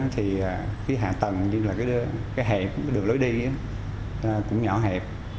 thì cái hạ tầng cái hẹp cái đường lối đi cũng nhỏ hẹp